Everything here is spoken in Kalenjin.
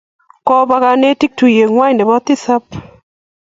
Koba kanetik tuyeng'wa nebo tisap